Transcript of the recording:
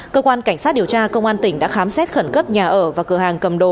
cơ quan cảnh sát điều tra công an tỉnh đã khám xét khẩn cấp nhà ở và cửa hàng cầm đồ